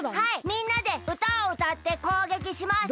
みんなでうたをうたってこうげきします。